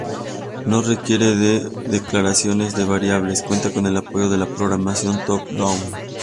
No requiere de declaraciones de variables, cuenta con el apoyo de la programación top-down.